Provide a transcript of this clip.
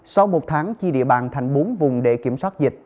sau một tháng chia địa bàn thành bốn vùng để kiểm soát dịch